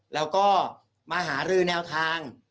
แล้วก็มาหารือแนวทาง